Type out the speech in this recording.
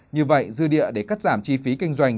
như vậy dư địa để cắt giảm chi phí kinh doanh